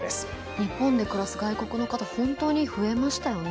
日本で暮らす外国の方本当に増えましたよね。